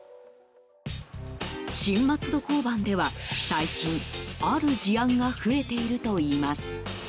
新松戸交番では最近ある事案が増えているといいます。